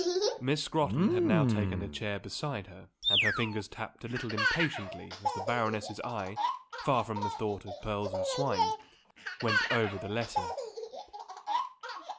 Miss Scrotton had now taken a chair beside her and her fingers tapped a little impatiently as the Baroness's eye far from the thought of pearls and swine went over the letter.